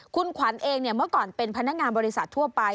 คุณขวัญเองเมื่อก่อนเป็นพนักงานบริษัททั่วไป